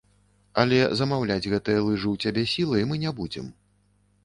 Але замаўляць гэтыя лыжы ў цябе сілай мы не будзем.